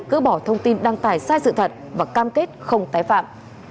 gỡ bỏ thông tin đăng tải sai sự thật và cam kết không tái phạm